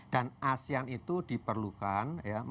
dan asean itu diperlukan ya